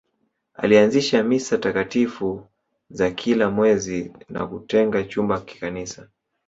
Alianzisha Misa takatifu za kila mwezi na kutenga chumba kikanisa